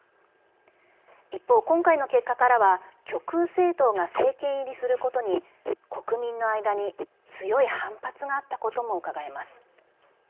一方、今回の結果からは極右政党が政権入りすることに国民の間に強い反発があったこともうかがえます。